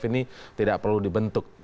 ini tidak perlu dibentuk